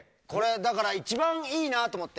だからこれが一番いいなと思って。